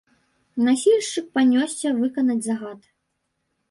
Насільшчык панёсся выканаць загад.